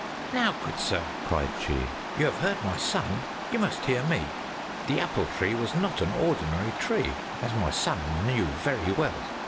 "Now, good sir!" cried she, "you have heard my son; you must hear me. The Apple Tree was not an ordinary tree, as my son knew very well!